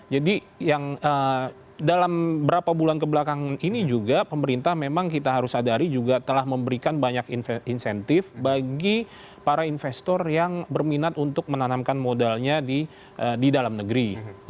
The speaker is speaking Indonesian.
jadi dalam beberapa bulan kebelakangan ini juga pemerintah memang kita harus sadari juga telah memberikan banyak insentif bagi para investor yang berminat untuk menanamkan modalnya di dalam negeri